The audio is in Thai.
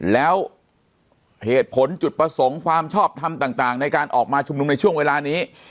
แล้วเหตุผลจุดประสงค์ความชอบทำต่างในการออกมาชุมนุมในช่วงเวลานี้